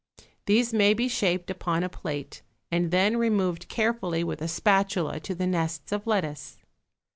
These may be shaped upon a plate and then removed carefully with a spatula to the nests of lettuce.